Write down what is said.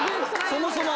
そもそも。